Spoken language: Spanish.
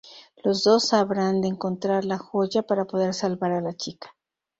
Los dos habrán de encontrar la joya para poder salvar a la chica.